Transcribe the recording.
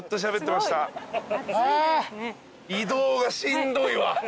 移動がしんどいわ。